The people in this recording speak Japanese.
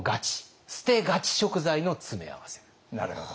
なるほど。